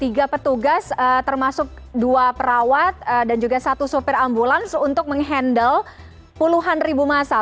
tiga petugas termasuk dua perawat dan juga satu supir ambulan untuk meng handle puluhan ribu masalah